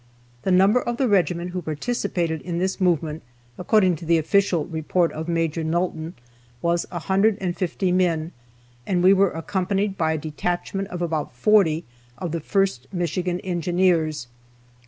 The number of the regiment who participated in this movement, according to the official report of Maj. Nulton, was 150 men, and we were accompanied by a detachment of about forty of the 1st Michigan Engineers.